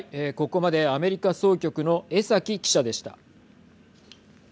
ここまでアメリカ総局の江崎記者でした。